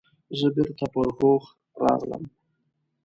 زه بیرته پر هوښ راغلم.